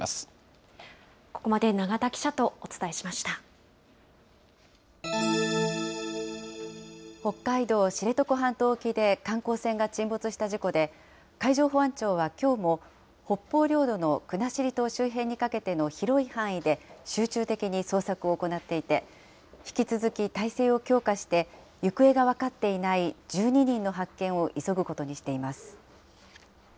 ここまで永田記者とお伝えし北海道知床半島沖で、観光船が沈没した事故で、海上保安庁はきょうも、北方領土の国後島周辺にかけての広い範囲で、集中的に捜索を行っていて、引き続き態勢を強化して、行方が分かっていない１２人の発見を急ぐことにしています。